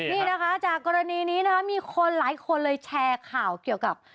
นี่นะคะจากกรณีนี้นะคะมีคนหลายคนเลยแชร์ข่าวเกี่ยวกับ